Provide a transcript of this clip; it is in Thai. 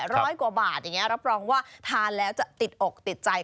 ร้อยกว่าบาทอย่างนี้รับรองว่าทานแล้วจะติดอกติดใจ